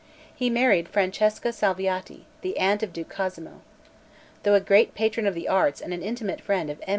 He married Francesca Salviati, the aunt of Duke Cosimo. Though a great patron of the arts and an intimate friend of M.